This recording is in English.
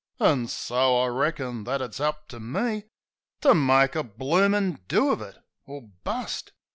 An' so I reckon that it's up to me To make a bloomin' do of it or bust.